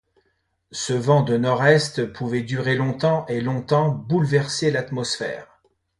Ce vent de nord-est pouvait durer longtemps et longtemps bouleverser l’atmosphère.